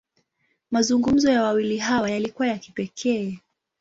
Mazungumzo ya wawili hawa, yalikuwa ya kipekee.